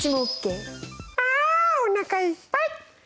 ああおなかいっぱい！